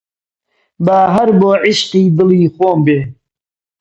با هەر بۆ عیشقی دڵی خۆم بێ